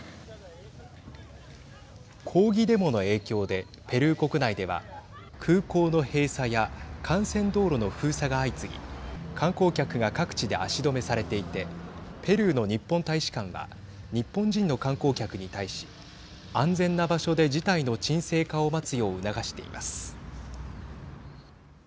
抗議デモの影響でペルー国内では空港の閉鎖や幹線道路の封鎖が相次ぎ観光客が各地で足止めされていてペルーの日本大使館は日本人の観光客に対し安全な場所で事態の沈静化を待つよう促しています。